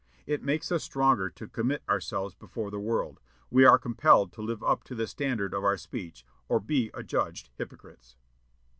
It makes us stronger to commit ourselves before the world. We are compelled to live up to the standard of our speech, or be adjudged hypocrites.